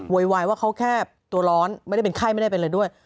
วายว่าเขาแค่ตัวร้อนไม่ได้เป็นไข้ไม่ได้เป็นอะไรด้วย